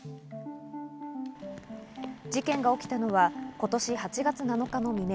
事件が起きたのは今年８月７日の未明。